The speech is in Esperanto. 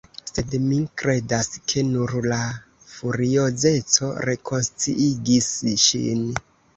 Sed mi kredas, ke nur la furiozeco rekonsciigis ŝin.